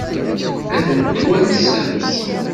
Ad ten-twansemt?